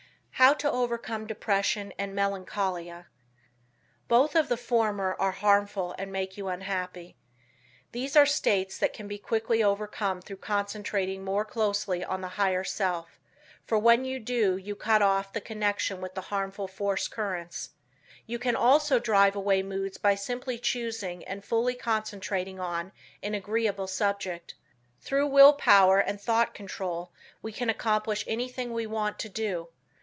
How to Overcome Depression and Melancholia. Both of the former are harmful and make you unhappy. These are states that can be quickly overcome through concentrating more closely on the higher self, for when you do you cut off the connection with the harmful force currents. You can also drive away moods by simply choosing and fully concentrating on an agreeable subject. Through will power and thought control we can accomplish anything we want to do.